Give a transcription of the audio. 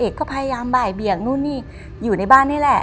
ก็พยายามบ่ายเบี่ยงนู่นนี่อยู่ในบ้านนี่แหละ